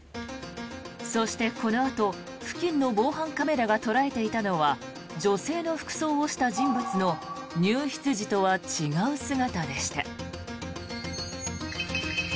そしてこのあと付近の防犯カメラが捉えていたのは女性の服装をした人物の入室時とは違う姿でした。